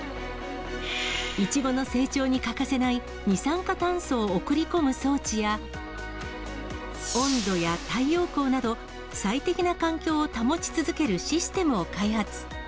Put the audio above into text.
イチゴの成長に欠かせない二酸化炭素を送り込む装置や、温度や太陽光など、最適な環境を保ち続けるシステムを開発。